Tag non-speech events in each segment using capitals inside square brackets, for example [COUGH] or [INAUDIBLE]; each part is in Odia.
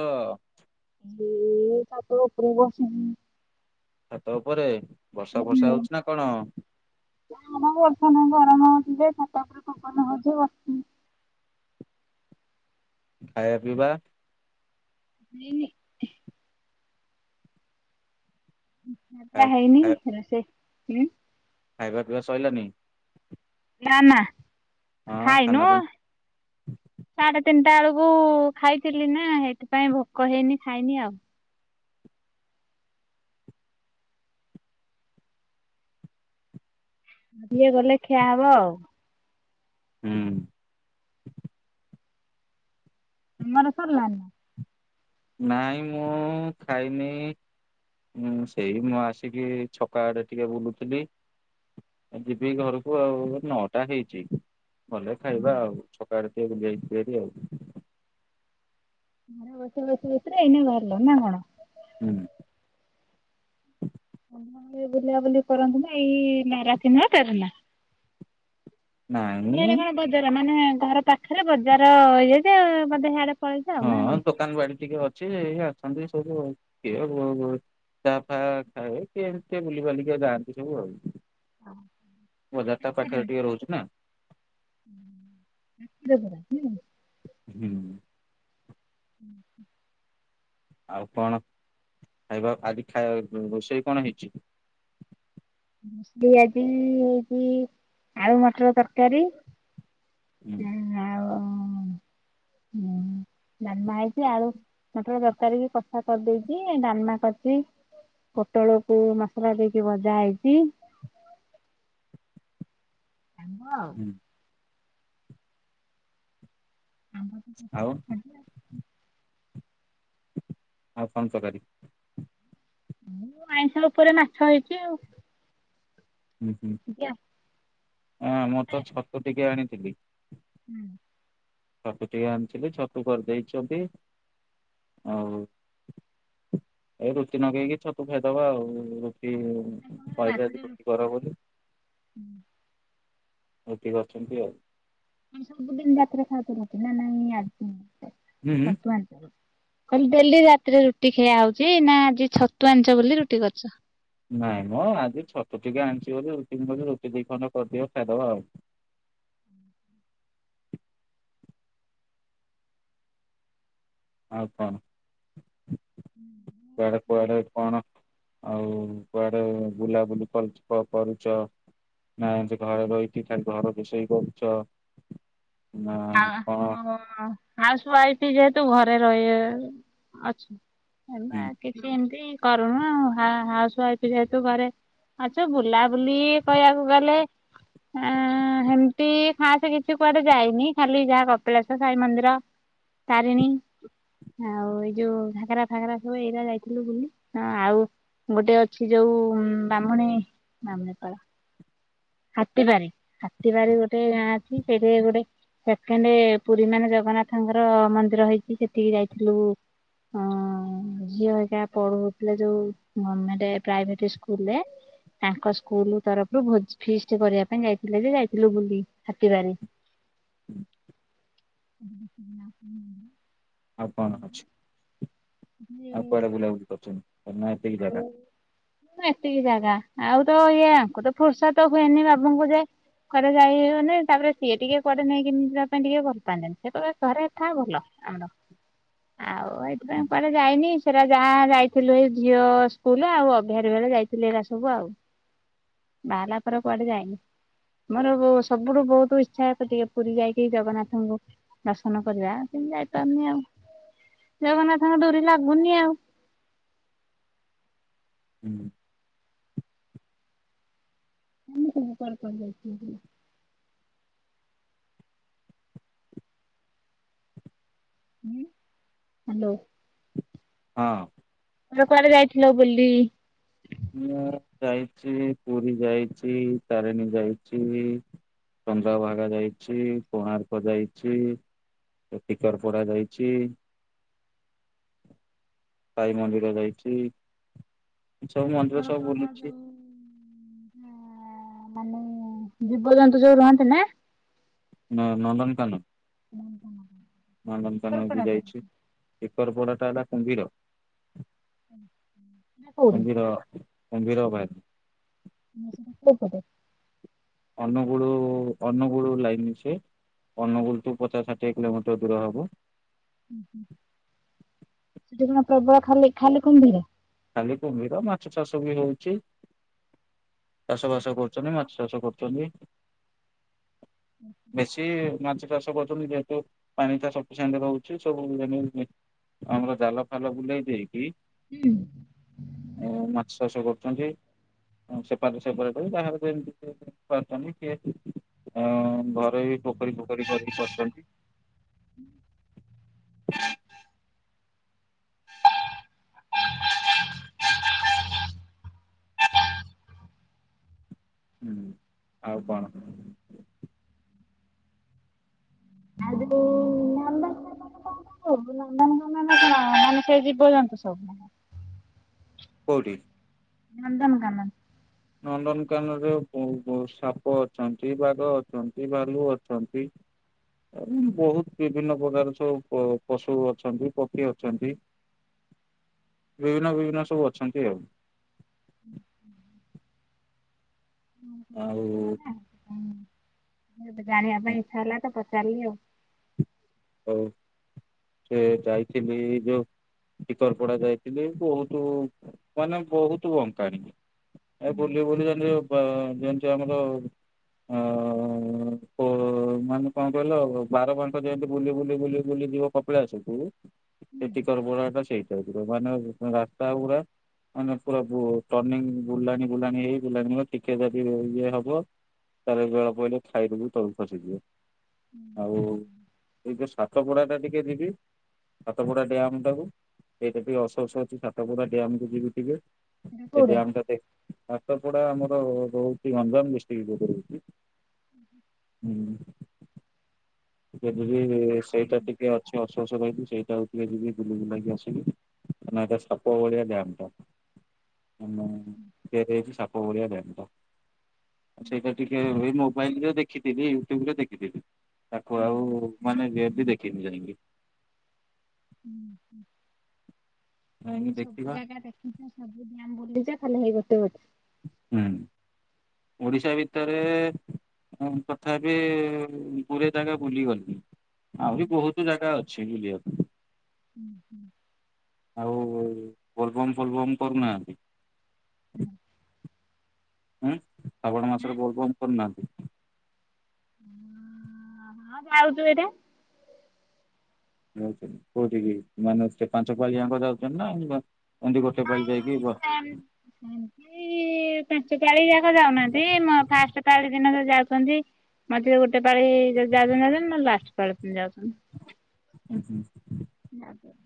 ହାଲୋ। ଏ ତାପ ଉପରେ ବସିନି। ଛାତ ଉପରେ ବର୍ଷା ଫର୍ଷା ହଉଛି ନା କଣ? ନା ମ ବର୍ଷ ନୁହଁ ଗରମ ହଉଚି ଯେ ଛାତ ଉପରେ ପବନ ହଉଛି ଯେ ବସିଥିଲି। ଖାଇବା ପିଇବା? ହେଇନି। ରୋଷେଇଆଟା ହେଇନି ଏଥର ସେ ସେ ଖାଇବା ପିଇବା ସଇଲାନି? ନା ନା ହଁ ଖାଇନୁ। ଖାନା ପିନା ସାଡେ ତିନଟା ବେଳୁକୁ ଖାଇଥିଲି ନା ହେଇଥିପାଇଁ ଭୋକ ହେଇନି ଖାଇନି ଆଉ। ଆଉ ଟିକେ ଗଲେ ଖିଆ ହବ ଆଉ। ହୁଁ। ତମର ସରଲାନି ନା? ନାଇଁ ମୁଁ ଖାଇନି। ମୁଁ ସେଇଦିନ ଆସିକି ଛକ ଆଡେ ଟିକେ ବୁଲୁଥିଲି। ଏ ଯିବି ଘରୁକୁ ଆଉ ନଅଟା ହେଇଚି। ଗଲେ ଖାଇବା ଆଉ ଛକ ଆଡେ ଟିକେ ବୁଲି ଆଇଥିଲି ଭାରି ଆଉ। ଘରେ ବସି ବସି ଏ ସି ରେ ଏଇନେ ବାହାରିଲ ନା କଣ? ଉଁ। ତମ ଆଡେ ବୁଲାବୁଲି କରନ୍ତି ନା ଏଇ ନାରାଖେନା କାରେନା? ତମର ନାଇଁ ଏଇଟା କଣ ବଜାର ମାନେ ଘର ପାଖେରେ ବଜାର ହେଇଯାଇଚି ବଧେ ହିଆଡେ ପଳେଇଛ ଆଉ ନା କଣ? ହଁ ଦୋକାନ ବାଡି ଟିକେ ଅଛି ଏଇ ଅଛନ୍ତି ସବୁ ଆଉ କିଏ ବୁ ବୁ ଚା ଫା ଖାଉ କିଏ ଏମତି ବୁଲିିବାଲିକା ଯାଆନ୍ତି ସବୁ ଆଉ। ମେବାରଟା ପାଖରେ ଟିକେ ରହୁଚି ନା। ଉଁ [UNINTELLIGIBLE] ହୁଁ। ଉଁ ହୁଁ। ଆଉ କଣ ଖାଇବା ଆଜି ଖାଇବା ଉଁ ରୋଷେଇ କଣ ହେଇଚି? ରୋଷେଇ ଆଜି ହେଇଚି ଆଳୁ ମଟର ତରକାରୀ। ହୁଁ [INAUDIBLE] ହୁଁ। ଡାଲମା ହେଇଚି ଆଳୁ ମଟର ତରକାରୀକି କଷା କରିଦେଇଚି ଡାଲମା କରିଚି। ପୋଟଳକୁ ମସଲା ଦେଇକି ଭଜା ହେଇଚି। [UNINTELLIGIBLE] ହୁଁ। ଆମ୍ବ ତ ଆଉ ପ୍ରସିଦ୍ଧ ଖାଦ୍ୟ ଆଉ ଆଉ କଣ ତକାରୀ? ଆଉ ଆଇଁଷ ଉପରେ ମାଛ ହେଇଚି ଆଉ। ହୁଁ ହୁଁ ସେତିକି ଆଉ ଆଉ ଆମର ତ ଛତୁ ଟିକେ ଆଣିଥିଲି। ହୁଁ। ଛତୁ ଟିକେ ଆଣିଥିଲି ଛତୁ କରିଦେଇଛନ୍ତି ଆଉ ଏ ରୁଟି ନଗେଇକି ଛତୁ ଖାଇଦବା ଆଉ ରୁଟି କହିଲି ଆଜି ରୁଟି କର ବୋଲି ରୁଟି କରିଚନ୍ତି ଆଉ। ଆଉ ସବୁଦିନ ରାତିରେ ଖାଆତି ରୁଟି ନା ନାଇଁ ଆ [UNINTELLIGIBLE] ହୁଁ ହୁଁ। ଛତୁ ଆଣିଚ ବୋ କଁ ଡେଲି ରାତିରେ ରୁଟି ଖିଆ ହଉଚି ନା ଆଜି ଛତୁ ଆଣିଚ ବୋଲି ରୁଟି କରିଚ? ନାଇଁ ମଁ ଆଜି ଛତୁ ଟିକେ ଆଣିଚି ବୋଲି ରୁଟି ଦି [UNINTELLIGIBLE] ରୁଟି ଦି ଖଣ୍ଡ କରିଦିଅ ଖାଇଦବା ଆଉ। ହ ଆଉ କଣ ସିଆଡେ କୁଆଡେ କଣ? ଆଉ କୁଆଡେ ବୁଲାବୁଲି କରୁଚ୍ କରୁଚ? ନା ଏମତି ଘରେ ରହିକି ଖାଲି ଘର ରୋଷେଇ କରୁଚ ନା କଁ? ହଁ ହାଉସ୍ ୱାଇଫି ଯେହେତୁ ଘରେ ରଇବେ ଅଛୁ। ହୁଁ [UNINTELLIGIBLE] ସେମତି କରୁନୁ ହା ହାଉସ୍ ୱାଇଫି ଯେହେତୁ ଘରେ ଅଛୁ ବୁଲାବୁଲି କଇଆକୁ ଗଲେ ହୁଁ ହେମତି ଖାସେ କିଛି କୁଆଡେ ଯାଇନି। ଖାଲି ଯା କପିଳାସ ସାଇ ମନ୍ଦିର ତାରିଣୀ ଆଉ ଏଇ ଯୋଉ ଘାଗରା ଫାଗାରା ସବୁ ଏଇରା ଯାଇଥିଲି ବୁଲି ଆଉ ଗୋଟେ ଅଛି ଯୋଉ ବାହ୍ମଣୀ ବାଲିଆପାଳ ହାତୀବାରି ହାତୀବାରି ଗୋଟେ ଗାଁ ଅଛି ସେଇଠି ଗୋଟେ ସେଖେଣ୍ଡ ପୁରୀ ମାନେ ଜଗନ୍ନାଥଙ୍କର ମନ୍ଦିର ହେଇଛି ସେଠୀକି ଯାଇଥିଲୁ। ହଁ ଝିଅ ହେରିକା ପଢ଼ୁଥିଲେ ଯୋଉ ମାନେ ପ୍ରାଇଭେଟ୍ ସ୍କୁଲ୍ ରେ। ତାଙ୍କ ସ୍କୁଲ ତରଫରୁ ଭୋଜ ଫିଷ୍ଟ କରିବା ପାଇଁ ଯାଇଥିଲେ ଯେ ଯାଇଥିଲୁ ବୁଲି ହାତିବାରି। [UNINTELLIGIBLE] ଆଉ କଣ ଅଛି ଆଉ କୁଆଡ଼େ ବୁଲା ବୁଲି କରିଛନ୍ତି [UNINTELLIGIBLE] [UNINTELLIGIBLE] ଏତିକି ଜାଗା ଆଉ ତ ଇଏ ଆଙ୍କୁ ତ ଫୁର୍ସତ ହୁଏନି ବାବୁଙ୍କୁ ଯେ ଘରେ ଯାଇ ହଉନି ତାପରେ ସିଏ ଟିକେ କୁଆଡେ଼ ନେଇକି ଯିବା ପାଇଁ ଟିକେ ଭଲପାନ୍ତିନି ସେ କହିବେ ଘରେ ଥା ଭଲ। ଆ ଆଉ ହୁଁ ଏଇଥିପାଇଁ କୁଆଡ଼େ ଯାଇନି ସେରା ଯାହା ଯାଇଥିଲୁ ଏ ଝିଅ ସ୍କୁଲରେ ଆଉ ଅଭିଆରି ବେଳେ ଯାଇଥିଲି ଏରା ସବୁ ଆଉ। ବାହା ହେଲା ପରେ କୁଆଡ଼େ ଯାଇନି। ମୋର ସବୁଠୁ ବହୁତ ଇଛା ଅଛି ଟିକେ ପୁରୀ ଯାଇକି ଜଗନ୍ନାଥଙ୍କୁ ଦର୍ଶନ କରିବା କିନ୍ତୁ ଯାଇପାରୁନି ଆଉ ଜଗନ୍ନାଥଙ୍କ ଡୋରି ଲାଗୁନି ଆଉ। ହୁଁ। [UNINTELLIGIBLE] ହଁ ହ୍ୟାଲୋ। ହଁ। ତମେ କୁଆଡେ ଯାଇଥିଲ ବୁଲି? ମୁଁ ଯାଇଛି ପୁରୀ ଯାଇଛି ତାରେଣୀ ଯାଇଛି। ଚନ୍ଦ୍ରଭାଗା ଯାଇଛି କୋଣାର୍କ ଯାଇଛି। ଟିକର ପୋଡା ଯାଇଛି। ସାଇ ମନ୍ଦିର ଯାଇଛି ସବୁ ମନ୍ଦିର ସବୁ ବୁଲିଛି। ଜୀବଜନ୍ତୁ ଯୋଉ ରୁହନ୍ତି ନା? ହୁଁ ନନ୍ଦନକାନନ ନନ୍ଦନକାନନ ବି ଯାଇଛି। ଏକର ପୋଡ଼ା ଟା ହେଲା କୁମ୍ଭୀର କୋଉଠି କୁମ୍ଭୀର କୁମ୍ଭୀର ବାରି। ହଁ ସେଟା କୋଉ ପଟେ? ଅନୁଗୁଳୁ ଅନୁଗୁଳୁ ଲାଇନ ସେ। ଅନୁଗୁଳଠୁ ପଚାଶ ଷାଠିଏ କିଲୋମିଟର ଦୂର ହବ। ଓ ହୋ ସେଠି କଣ ପ୍ରବଳ ଖାଲି ଖାଲି କୁମ୍ଭୀର? ଖାଲି କୁମ୍ଭୀର ମାଛ ଚାଷ ବି ହେଉଛି। ଚାଷ ବାସ କରୁଛନ୍ତି ମାଛ ଚାଷ କରୁଛନ୍ତି। ବେଶୀ ମାଛ ଚାଷ କରୁଛନ୍ତି ଯେହେ ତୁ ପାଣି ଟା ସଫିସିଏଣ୍ଟ ରହୁଛି ସବୁ ଆମର ଜାଲ ଫାଲ ବୁଲେଇ ଦେଇକି ହୁଁ। ମାଛ ଚାଷ କରୁଛନ୍ତି ସେପାରେଟ୍ ସେପାରେଟ୍ ଯାହାର ଯେମିତ କରୁଛନ୍ତି କିଏ ଅ ଘୋରୋଇ ପୋଖରୀ ଫୋଖରୀ କରିକି କରୁଛନ୍ତି। [INAUDIBLE] ହୁଁ ଆଉ କଣ? [UNINTELLIGIBLE] ନନ୍ଦନକାନନ ମାନେ କଣ ସେଇ ଜୀବ ଜନ୍ତୁ। ହବ। କୋଉଠି? ନନ୍ଦନକାନନ। ନନ୍ଦନକାନନରେ ବହୁ ସାପ ଅଛନ୍ତି ବାଘ ଅଛନ୍ତି ଭାଲୁ ଅଛନ୍ତି। ବହୁତ ବିଭିନ୍ନ ପ୍ରକାର ସବୁ ପଶୁ ଅଛନ୍ତି ପକ୍ଷୀ ଅଛନ୍ତି। ବିଭିନ୍ନ ବିଭିନ୍ନ ସବୁ ଅଛନ୍ତି ଆଉ। ଆଉ ଜାଣିବା ପାଇଁ ଇଚ୍ଛା ହେଲା ତ ପଚାରିଲି ଆଉ। ହଉ ଟିକେ ଯାଇଥିଲି ଯୋଉ ଟିକରପଡା ଯାଇଥିଲି ବହୁତୁ ମାନେ ବହୁତୁ ବଙ୍କାଣୀ। ଏ ବୁଲି ବୁଲି ଗଲୁ ବ ଯେନ୍ତି ଆମର ହଁ ପୋ ମାନେ କଣ କହିଲ ବାରବାଙ୍କ ଯେନ୍ତି ବୁଲି ବୁଲି ବୁଲି ବୁଲି ଯିବ କପିଳାସ କୁ ହୁଁ ଏ ଟିକରପଡା ଟା ସେଇ ଟାଇପ୍ ର। ମାନେ ରାସ୍ତା ଗୁରା ମାନେ ପୁରା ବୁ ଟର୍ଣିଂ ବୁଲାଣି ବୁଲାଣି ହେଇ ବୁଲାଣି ର ଟିକେ ଯଦି ଇଏ ହବ। ତାର ବେଳ ପଇଲେ ଖାଇରୁ ବି ତଳକୁ ଖସିଯିବ। ଆଉ ଏଇ ଯଉ ସାତପୋଡା ଟା ଟିକେ ଯିବି। ସାତପଡା ଡ୍ୟାମ୍ ଟାକୁ। ଏଇଟା ଟିକେ ଅଫ୍ସୋସ୍ ଅଛି ସାତପଡା ଡ୍ୟାମ କୁ ଯିବି ଟିକେ। ସେଟା ସେ କୋଉଠି? ଡ୍ୟାମ୍ ଟା ଦେ, ସାତପଡା ଆମର ରହୁଚି ଗଞ୍ଜାମ ଡିଷ୍ଟ୍ରିକ୍ ରୁଟ୍ ରେ ରହୁଚି। ହୁଁ। ଏବେବି ସେଇଟା ଟିକେ ଅଛି ଅଫ୍ସୋସ୍ ରହିଚି ସେଇଟା ଟିକେ ଯିବି ବୁଲି ବୁଲାକି ଆସିବି। କାରଣ ହେଟା ସାପ ଭଳିଆ ଡ୍ୟାମ୍ ଟା। [UNINTELLIGIBLE] ହେଇଚି ସାପ ଭଳିଆ ଡ୍ୟାମ୍ ଟା। ସେଇଟା ଟିକେ ଏଇ ମୋବାଇଲରେ ଦେଖିଥିଲି। ୟୁଟ୍ୟୁବ ରେ ଦେଖିଥିଲି। ତାକୁ ଆଉ ମାନେ ରିଅଲ ରେ ଦେଖିନି ଯାଇଁକି। ଯାଇକି ମୁଁ ସବୁ ଦେଖିବା ଜାଗା ଦେଖି ସବୁ ଡ୍ୟାମ୍ ବୁଲିଚ ଖାଲି ହେଇ ଗୋଟେ ଗୋଟେ। ହୁଁ, ଓଡିଶା ଭିତରେ ମୁଁ ତଥାପି ଗୁରେ ଜାଗା ବୁଲିଗଲି। ଆହୁରି ବହୁତ ଜାଗା ଅଛି ବୁଲିବା ପାଇଁ। ହୁଁ ହୁଁ। ଆଉ ବୋଲବମ୍ ଫୋଲବମ୍ କରୁନାହାନ୍ତି? ହୁଁ। ଉଁ, ଶ୍ରାବଣ ମାସରେ ବୋଲବମ୍ କରୁନାହାନ୍ତି? ହଁ ଯାଉଚୁ ଏଇଟା। ଯାଉଛନ୍ତି କୋଉଠିକି? ମାନେ ସେ ପାଞ୍ଚ ପାଳି ଆଙ୍କ ଯାଉଛନ୍ତି ନା ଏନ୍ତି ଗୋଟେ ପାଳି ଯାଇକି ବ ଏନ୍ତି ପାଞ୍ଚପାଳି ଆ ଛୁଆ ଯାଉନାହାନ୍ତି ମ ଫାଷ୍ଟ ପାଳି ଦିନ ଯାହା ଯାଉଛନ୍ତି। ମଝିରେ ଗୋଟେ ପାଳି ଯଦି ଯାଉଚନ୍ତି ଯାଉଚନ୍ତି ନହେଲେ ଲାଷ୍ଟ ପାଳି ପୁଣି ଯାଉଚନ୍ତି। ହୁଁ ହୁଁ। ଯାଉଚନ।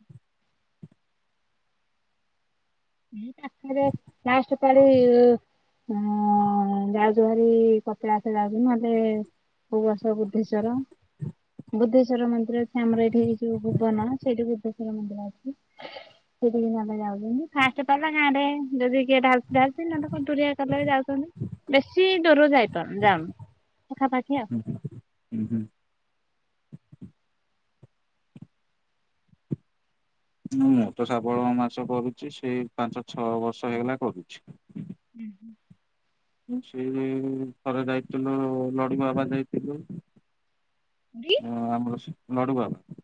ଏଇ ପାଖେରେ ଲାଷ୍ଟ ପାଳି ହଁ ଅଁ ଯାଉଚୁ ଭାରି କପିଳାସ ଯାଉଚୁ ନହେଲେ କୋଉ ବର୍ଷ ବୁଦ୍ଧେଶ୍ଵର। ବୁଦ୍ଧେଶ୍ୱର ମନ୍ଦିର ଅଛି ଆମର ଏଠି ଯୋଉ ଭୁବନ, ସେଇଠି ବୁଦ୍ଧେଶ୍ୱର ମନ୍ଦିର ଅଛି। ସେଇଠିକି ନହେଲେ ଯାଉଛନ୍ତି। ଫାଷ୍ଟ ପାଳି ଟା ଗାଁରେ ଯଦି କିଏ ଢ଼ାଳୁଚି ଢାଳୁଚି ନହେଲେ କୁନ୍ତୁରିଆ କଲେ ଯାଉଚନ୍ତି। ବେଶୀ ଦୂରରୁ ଯାଇପାରୁନୁ ଯାଉନୁ ପାଖାପାଖି ଆଉ। ଉଁ ହୁଁ। ମୁଁ ତ ଶ୍ରାବଣ ମାସ କରୁଚି ସେଇ ପାଞ୍ଚ ଛଅ ବର୍ଷ ହେଇଗଲା କରୁଛି। ହୁଁ ହୁଁ। ସେ ଥରେ ଯାଇଥିଲୁ ଲଡୁବାବା ଯାଇଥିଲୁ। ପୁରୀ? ଅ ଆମର ସେ ଲଡୁବାବା।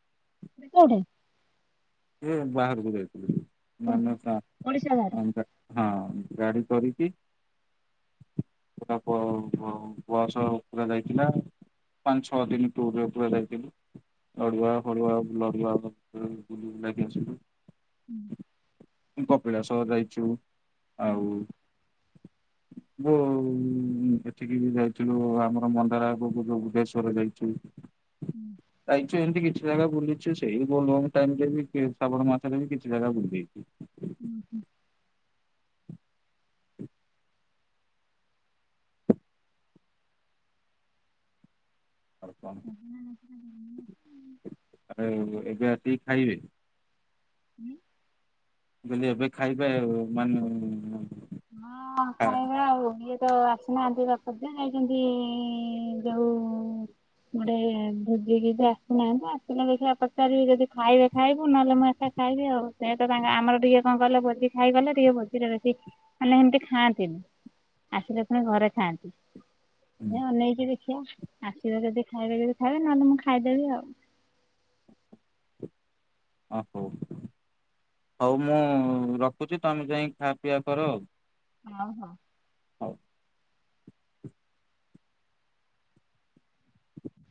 କୋଉଠେ? ଏ ବାହାରକୁ ଯାଇଥିଲି। ଓଡିଶା ବାହାରେ। [UNINTELLIGIBLE] ହଁ। ଗାଡି କରିକି ପୁରା ବ ବ ବସ ପୁରା ଯାଇଥିଲା। ପାଞ୍ଚ ଛଅ ଦିନ ଟୁର୍ ରେ ପୁରା ଯାଇଥିଲୁ। ଲଡୁବାବା ଫଡୁବାବା। [UNINTELLIGIBLE] ବୁଲି ବୁଲାକି ଆସିଲୁ। ହୁଁ। ଉଁ କପିଳାସ ଯାଇଛୁ ଆଉ ବୋ ଉ ଏଠିକି ବି ଯାଇଥିଲୁ ଆମର ମନ୍ଦାର ଆଗକୁ ଯୋଉ ବୁଧେଶ୍ୱର ଯାଇଛୁ। ହୁଁ। ଯାଇଛୁ ଏମିତି କିଛି ଜାଗା ବୁଲିଛୁ ସେଇି ବୋଲ୍ ବମ ଟାଇମ୍ ଟେ ବି କେ ଶ୍ରାବଣ ମାସ ରେ ବି କିଛି ଜାଗା ବୁଲି ଦେଇଛୁ। ଉଁ ହୁଁ। ଆଉ କଣ [INAUDIBLE] ଆଉ ଏବେ ଆସିକି ଖାଇବେ? ଉଁ? ମୁଁ କହିଲି ଏବେ ଖାଇବେ ଆଉ ମାନେ [UNINTELLIGIBLE] ହଁ ଖାଇଲା ଆଉ ଇଏ ତ ଆସିନାହାନ୍ତି ବାପା [UNINTELLIGIBLE] ଯାଇଛନ୍ତି ଯୋଉ ଗୋଟେ ଭୋଜିକି ସେ ଆସିନାହାଁନ୍ତି ଆସିଲା ଦେଖିବା ପଚାରିବି ଯଦି ଖାଇବେ ଖାଇବୁ ନହେଲେ ମୁଁ ଏକା ଖାଇବି ଆଉ ସେ ତ ତାଙ୍କ ଆମର ଟିକେ କଣ କହିଲ ଭୋଜି ଖାଇଗଲେ ଟିକେ ଭୋଜିରେ ବେଶୀ ମାନେ ହେମିତି ଖାଆନ୍ତିନି ଆସିଲେ ପୁଣି ଘରେ ଖାଆନ୍ତି। ହୁଁ ହେ ଅନେଇଚି ଦେଖିଆ ଆସିବେ ଯଦି ଖାଇବେ ଯଦି ଖାଇବେ ନହେଲେ ମୁଁ ଖାଇଦେବି ଆଉ। ଅ ହୋଉ ହୋଉ ମୁଁ ରଖୁଚି ତମେ ଯାଇଁ ଖିଆପିଆ କର ଆଉ। ହଉ ହଉ। ହଉ।